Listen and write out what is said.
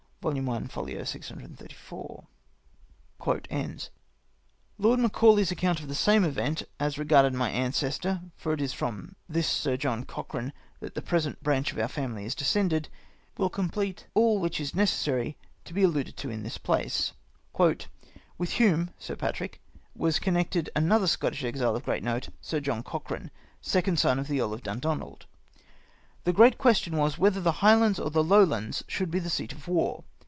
— Vol. i. fol. 634. Lord Macaulay's account of tlie same event as re garded my ancestor, for it is from this Sir John Coch rane that the present branch of oirr family is descended, will complete all which is necessary to be aUuded to in this place. " With Hume (Sir Patrick) was connected another Scottish exile of great note. Sir John Cochrane, second son of the Earl of Dundonald. The great question was, whether the Highlands or the Lowlands should be the seat of war.